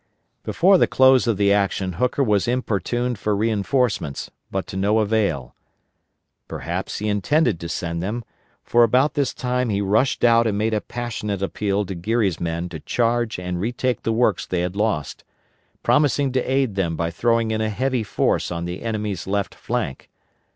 Before the close of the action Hooker was importuned for reinforcements, but to no avail. Perhaps he intended to send them, for about this time he rushed out and made a passionate appeal to Geary's men to charge and retake the works they had lost; promising to aid them by throwing in a heavy force on the enemy's left flank.